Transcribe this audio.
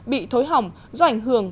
bị thối hỏng do ảnh hưởng